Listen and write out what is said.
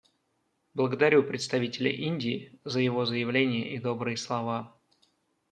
Благодарю представителя Индии за его заявление и добрые слова.